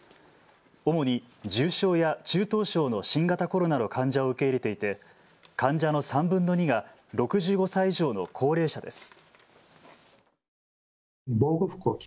主に重症や中等症の新型コロナの患者を受け入れていて患者の３分の２が６５歳以上の高齢者です。